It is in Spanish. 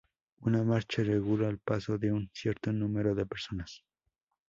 Una marcha regula el paso de un cierto número de personas.